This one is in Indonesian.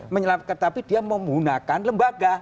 menyelamatkan tapi dia menggunakan lembaga